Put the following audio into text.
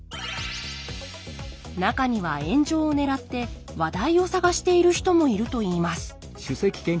中には炎上をねらって話題を探している人もいるといいます